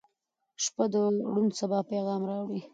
• شپه د روڼ سبا پیغام راوړي.